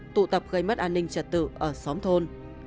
tụ tập gây mất an ninh trật tự ở xóm thôn